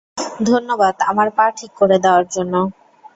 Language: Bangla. ধন্যবাদ আমার পা ঠিক করে দেওয়ার জন্য!